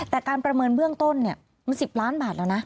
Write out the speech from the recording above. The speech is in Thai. แต่การประเมินเบื้องต้นมัน๑๐ล้านบาทแล้วนะ